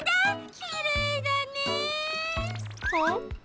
きれいだね。